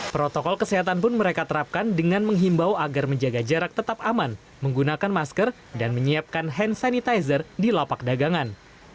protokol kesehatan pun mereka terapkan dengan menghimbau agar menjaga jarak tetap aman menggunakan masker dan menyiapkan hand sanitizer di lapak dagangan